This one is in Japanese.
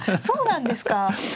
そうなんですか。